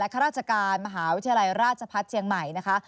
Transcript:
ข้าราชการมหาวิทยาลัยราชพัฒน์เชียงใหม่นะคะ